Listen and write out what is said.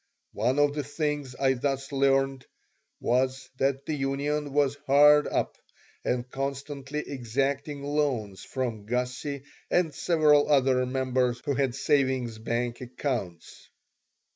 One of the things I thus learned was that the union was hard up and constantly exacting loans from Gussie and several other members who had savings bank accounts.